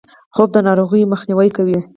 خوب د ناروغیو مخنیوی کوي